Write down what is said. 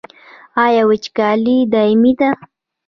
آیا وچکالي دایمي ده؟